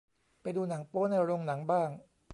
ไปดูหนังโป๊ในโรงหนังบ้าง